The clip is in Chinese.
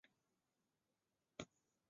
束丝菝葜为百合科菝葜属下的一个种。